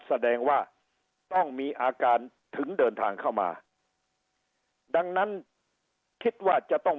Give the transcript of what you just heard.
แสดงว่าต้องมีอาการถึงเดินทางเข้ามาดังนั้นคิดว่าจะต้อง